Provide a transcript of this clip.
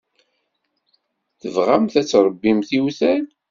Tebɣamt ad tṛebbimt iwtal.